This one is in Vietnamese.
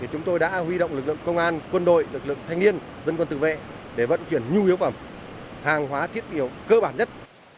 chúng tôi đã huy động lực lượng công an quân đội lực lượng thanh niên dân quân tự vệ để vận chuyển nhu yếu phẩm hàng hóa thiết yếu cơ bản nhất